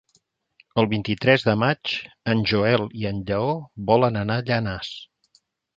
El vint-i-tres de maig en Joel i en Lleó volen anar a Llanars.